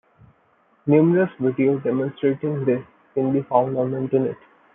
Numerous videos demonstrating this can be found on the internet.